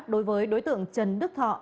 đối với đối tượng trần đức thọ